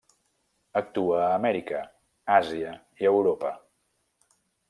Actua a Amèrica, Àsia i Europa.